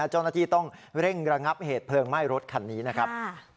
เจ้าหน้าที่ต้องเร่งระงับเหตุเพลิงไหม้รถคันนี้นะครับ